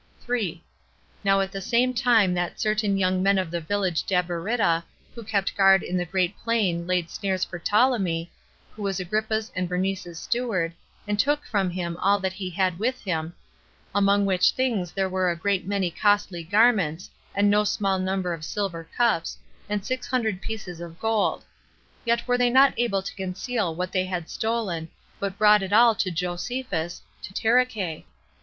3. Now at the same time that certain young men of the village Dabaritta, who kept guard in the Great Plain laid snares for Ptolemy, who was Agrippa's and Bernice's steward, and took from him all that he had with him; among which things there were a great many costly garments, and no small number of silver cups, and six hundred pieces of gold; yet were they not able to conceal what they had stolen, but brought it all to Josephus, to Taricheae.